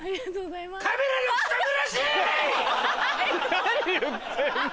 何言ってんの！